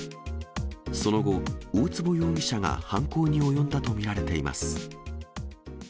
その後、大坪容疑者が犯行に及んだと見られています。